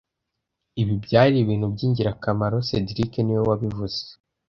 Ibi byari ibintu byingirakamaro cedric niwe wabivuze